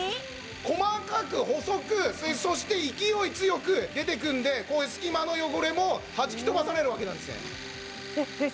細かく細くそして勢い強く出てくるんでこういう隙間の汚れもはじき飛ばされるわけなんですねえっえっ